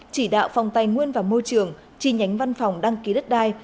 chỉ đạo phòng tài nguyên và môi trường chi nhánh văn phòng đăng ký đất đai